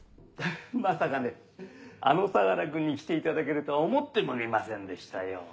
まさかねあの相楽君に来ていただけるとは思ってもみませんでしたよ。